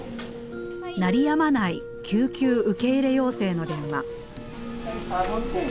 鳴りやまない救急受け入れ要請の電話。